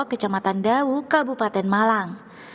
kecamatan dau kabupaten malang